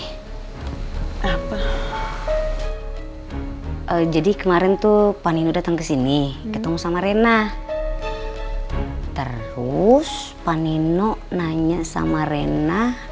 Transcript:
hai apa jadi kemarin tuh panino datang kesini ketemu sama rena terus panino nanya sama rena